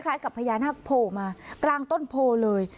คล้ายกับพญานาคโพลมากลางต้นโพลเลย